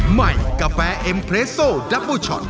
ใหม่กาแฟเอ็มเรสโซดับเบอร์ช็อต